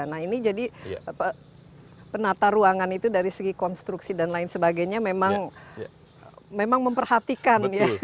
nah ini jadi penata ruangan itu dari segi konstruksi dan lain sebagainya memang memperhatikan ya